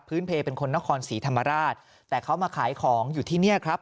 เพลเป็นคนนครศรีธรรมราชแต่เขามาขายของอยู่ที่เนี่ยครับ